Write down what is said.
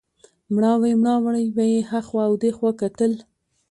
مړاوی مړاوی به یې هخوا او دېخوا کتل.